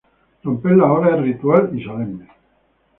El Romper la hora es ritual y solemne.